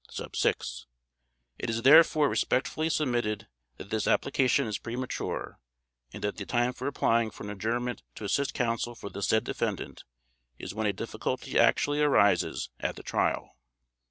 6) It is therefore respectfully submitted that this Application is premature, and that the time for applying for an adjournment to assist Counsel for the said defendant is when a difficulty actually arises at the Trial.